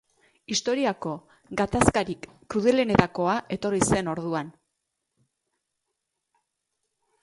Historiako gatazkarik krudelenetakoa etorri zen orduan.